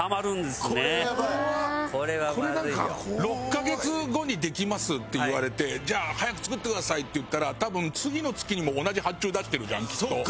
「６カ月後にできます」って言われて「じゃあ早く作ってください」って言ったら多分次の月にも同じ発注出してるじゃんきっと。